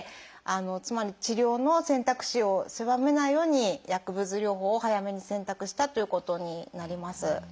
つまり治療の選択肢を狭めないように薬物療法を早めに選択したということになります。